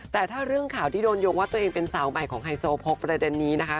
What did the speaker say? แต่ถ้าเรื่องข่าวที่โดนยกว่าตัวเองเป็นสาวใหม่ของไฮโซพกประเด็นนี้นะคะ